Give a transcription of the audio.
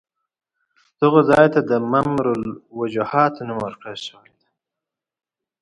دغه ځای ته ممر الوجحات نوم ورکړل شوی دی.